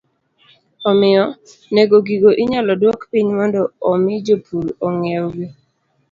Omiyo, nengo gigo inyalo duok piny mondo omi jopur ong'iewgi